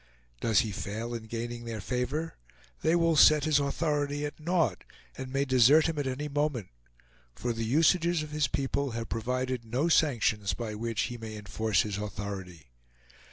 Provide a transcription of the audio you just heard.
Does he fail in gaining their favor, they will set his authority at naught, and may desert him at any moment; for the usages of his people have provided no sanctions by which he may enforce his authority.